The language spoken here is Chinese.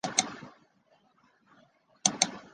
富宁油果樟为樟科油果樟属下的一个种。